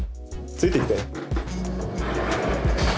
ついてきて。